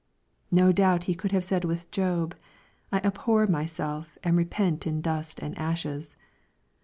No doubt he could have said with Job, " I abhor myself, and repent in dust and ashes."